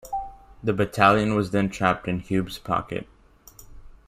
The battalion was then trapped in Hube's Pocket.